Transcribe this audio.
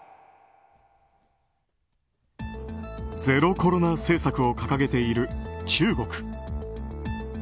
ゼロコロナ政策を掲げている中国。